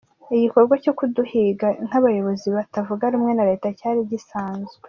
Igikorwa cyo kuduhiga nk’abayobozi batavuga rumwe na Leta cyari gisanzwe.